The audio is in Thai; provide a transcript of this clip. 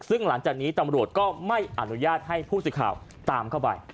ซึ่งหลังจากนี้ตำรวจก็ไม่อนุญาตให้ผู้สื่อข่าวตามเข้าไป